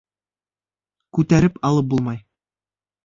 Күтәреп алып булмай.